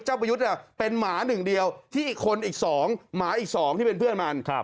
เจ้าประยุทธ์อ่ะเป็นหมาหนึ่งเดียวที่คนอีกสองหมาอีกสองที่เป็นเพื่อนมันครับ